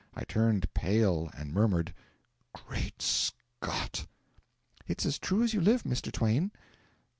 I turned pale and murmured: 'Great Scott!' 'It's as true as you live, Mr. Twain!'